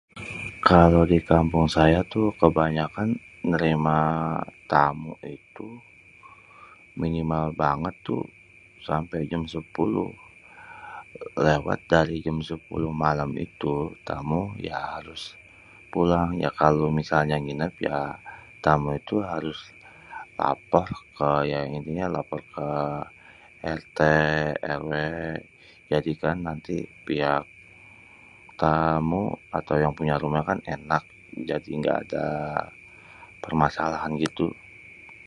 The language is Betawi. kalo dikampung saya tuh kébanyakan nérima tamu itu minimal bangét tuh sampé jam sépuluh léwat dari jém sépuluh malém itu tamu yah harus pulang ya kalo misalnya nginép ya tamu itu harus lapor ké ya intinya lapor ké rt rw jadikan nanti pihak tamu atau yang punya rumahkan énak jadi gada pérmasalahan gitu